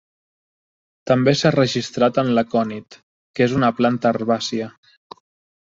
També s'ha registrat en l'acònit, que és una planta herbàcia.